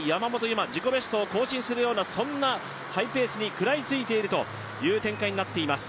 自己ベストを更新するようなそんなハイペースに食らいついているという展開になっています。